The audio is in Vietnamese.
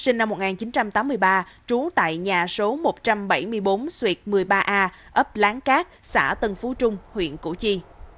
sinh năm một nghìn chín trăm tám mươi ba trú tại nhà số một trăm bảy mươi bốn xuyệt một mươi ba a ấp lán cát xã tân phú trung huyện củ chi